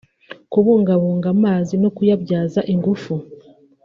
kubungabunga amazi no kuyabyaza ingufu